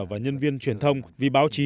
và nhân viên truyền thông vì báo chí